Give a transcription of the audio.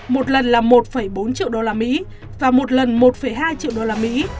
một lần là một bốn triệu usd và một lần một hai triệu usd